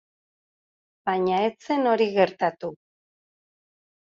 Baina ez zen hori gertatu.